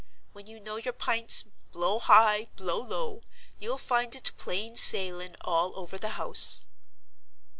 When you know your Pints, blow high, blow low, you'll find it plain sailing all over the house."